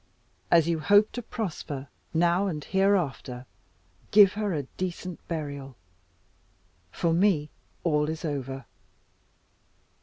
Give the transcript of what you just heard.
As you hope to prosper, now and hereafter, give her a decent burial. For me all is over."